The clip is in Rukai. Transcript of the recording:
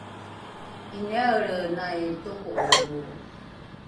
’iniaelrenai toko’ovo